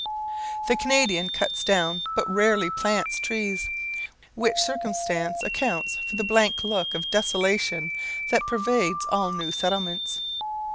The Canadian cuts down, but rarely plants trees, which circumstance accounts for the blank look of desolation that pervades all new settlements.